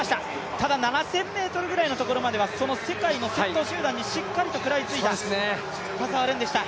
ただ７０００ｍぐらいのところまではその世界の先頭集団にしっかりと食らいついた田澤廉でした。